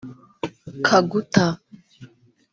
Kaguta